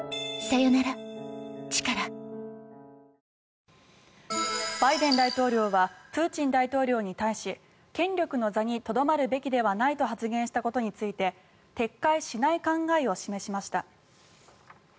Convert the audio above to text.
お電話でバイデン大統領はプーチン大統領に対し権力の座にとどまるべきではないと発言したことについて撤回しない考えを示しました。